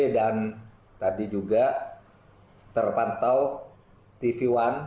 dan tadi juga terpantau tv one